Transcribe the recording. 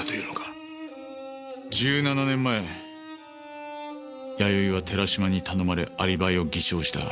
１７年前弥生は寺島に頼まれアリバイを偽証した。